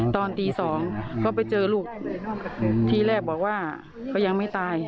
ตอนตีสองก็ไปเจอลูกทีแรกบอกว่าเขายังไม่ตาย